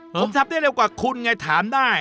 ผมทำได้เร็วกว่าคุณไงถามได้